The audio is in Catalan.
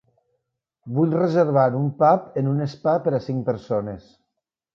Vull reservar un pub en un spa per a cinc persones.